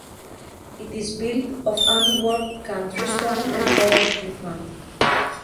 It is built of unworked country stone and covered with mud.